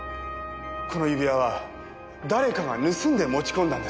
この指輪は誰かが盗んで持ち込んだんです。